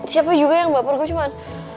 siapa juga yang baper gue cuman